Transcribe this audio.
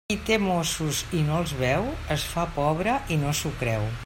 Qui té mossos i no els veu, es fa pobre i no s'ho creu.